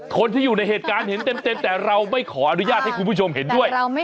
คนที่อยู่ในเหตุการณ์เห็นเต็มแต่เราไม่ขออนุญาตให้คุณผู้ชมเห็นด้วย